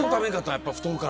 やっぱ太るから。